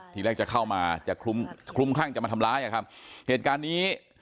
ทีแรกจะเข้ามาจะคลุมคลุ้มคลั่งจะมาทำร้ายอ่ะครับเหตุการณ์นี้